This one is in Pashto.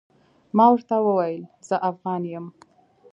ما ورته وويل زه افغان يم.